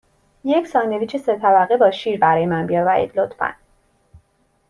یک ساندویچ سه طبقه با شیر برای من بیاورید، لطفاً.